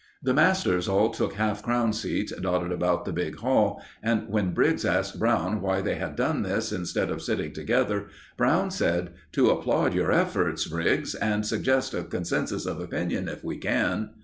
The masters all took half crown seats dotted about the big hall, and when Briggs asked Brown why they had done this, instead of sitting together, Brown said: "To applaud your efforts, Briggs, and suggest a consensus of opinion if we can."